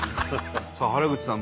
さあ原口さん